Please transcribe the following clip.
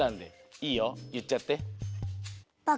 いいよいっちゃって。